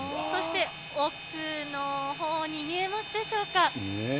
そして、奥のほうに見えますでしょうか。